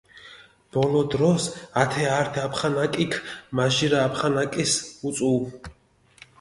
ბოლო დროს ათე ართი აფხანაკიქ მაჟირა აფხანაკის უწუუ.